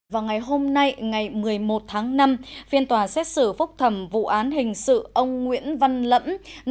vào ngày hôm nay ngày một mươi một tháng năm phiên tòa xét xử phúc thẩm vụ án hình sự ông nguyễn văn lẫm